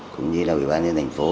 cũng như là ủy ban liên tỉnh thành phố